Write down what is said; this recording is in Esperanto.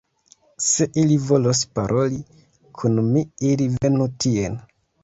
Se ili volos paroli kun mi, ili venu tien.